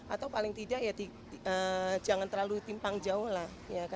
atau paling tidak ya jangan terlalu timpang jauh lah